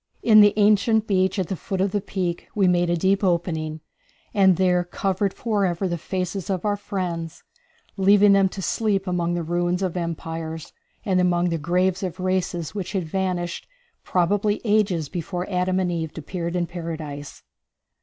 In the ancient beach at the foot of the peak we made a deep opening, and there covered forever the faces of our friends, leaving them to sleep among the ruins of empires, and among the graves of races which had vanished probably ages before Adam and Eve appeared in Paradise.